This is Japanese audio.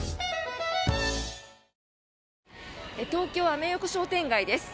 東京・アメ横商店街です。